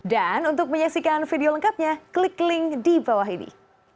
dan untuk menyaksikan video lengkapnya klik link di bawah ini